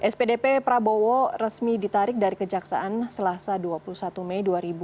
spdp prabowo resmi ditarik dari kejaksaan selasa dua puluh satu mei dua ribu dua puluh